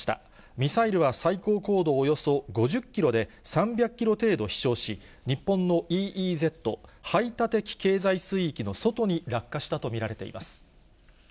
ミサイルは最高高度およそ５０キロで、３００キロ程度飛しょうし、日本のＥＥＺ・排他的経済水域の外に落下したと見られています。